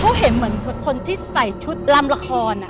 เขาเห็นเหมือนคนที่ใส่ชุดลำละคร